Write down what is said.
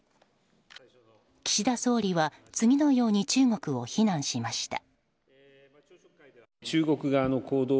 岸田総理は次のように中国を非難しました。